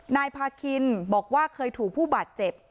นายพาคินบอกว่าเคยถูกผู้บาดเจ็บ